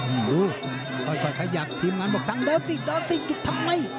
อืมดูค่อยขยับพิมพ์งานบอกสั่งเดิมสิสั่งเดิมสิทำไม